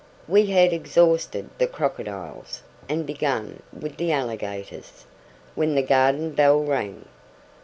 We had exhausted the crocodiles, and begun with the alligators, when the garden bell rang.